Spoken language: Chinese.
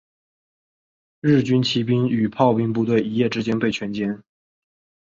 日军骑兵与炮兵部队一夜之间被全歼。